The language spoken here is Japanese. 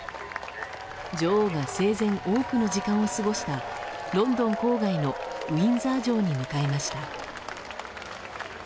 女王が生前多くの時間を過ごしたロンドン郊外のウィンザー城に向かいました。